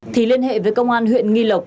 thì liên hệ với công an huyện nghi lộc